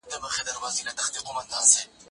هغه څوک چي زدکړه کوي پوهه زياتوي؟